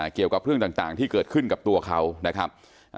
เกี่ยวกับเรื่องต่างที่เกิดขึ้นกับตัวเขานะครับ